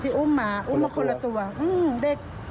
ที่อุ้มหมาอุ้มมาคนละตัวอื้อเด็ก